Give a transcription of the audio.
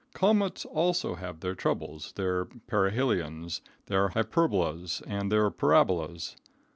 Comets also have their troubles, their perihilions, their hyperbolas and their parabolas.